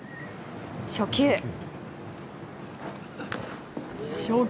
初球。